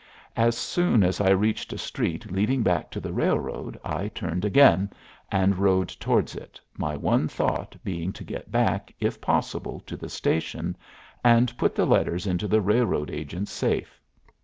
As soon as I reached a street leading back to the railroad I turned again, and rode towards it, my one thought being to get back, if possible, to the station, and put the letters into the railroad agent's safe.